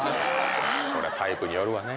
こりゃタイプによるわね。